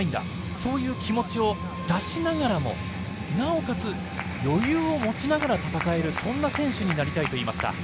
そういう気持ちを出しながらもなおかつ余裕を持ちながら戦える、そんな選手になりたいと言いました。